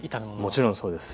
もちろんそうです。